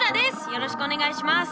よろしくお願いします。